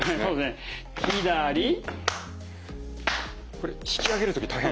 これ引き上げる時大変。